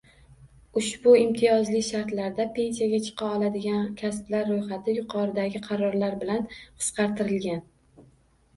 Ushbu imtiyozli shartlarda pensiyaga chiqa oladigan kasblar roʻyxati yuqoridagi qarorlar bilan qisqartirilgan.